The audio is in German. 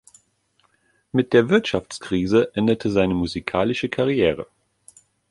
Mit der Wirtschaftskrise endete seine musikalische Karriere.